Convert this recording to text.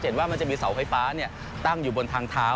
จะเห็นว่ามันจะมีเสาไฟฟ้าเนี่ยตั้งอยู่บนทางเท้า